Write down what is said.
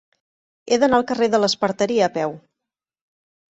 He d'anar al carrer de l'Esparteria a peu.